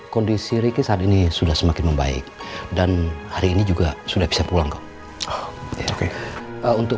kondisi riki saat ini sudah semakin membaik dan hari ini juga sudah bisa pulang kak oke untuk